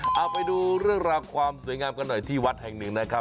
เอาไปดูเรื่องราวความสวยงามกันหน่อยที่วัดแห่งหนึ่งนะครับ